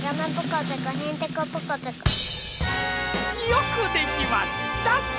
よくできました！